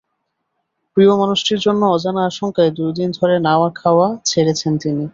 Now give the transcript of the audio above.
প্রিয় মানুষটির জন্য অজানা শঙ্কায় দুই দিন ধরে নাওয়া-খাওয়া ছেড়েছেন তিনি।